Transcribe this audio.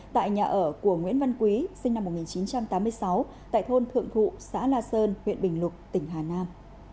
tại nhà ở của nguyễn văn quý sinh năm một nghìn chín trăm tám mươi sáu tại thôn thượng thụ xã la sơn huyện bình lục tỉnh hà nam